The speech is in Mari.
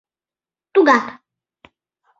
— Тугак.